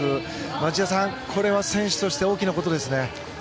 町田さん、これは選手として大きなことですね。